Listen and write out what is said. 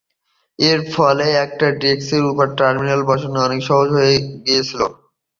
এর ফলে একটা ডেস্কের ওপর টার্মিনাল বসানো অনেক সহজ হয়ে গিয়েছিল।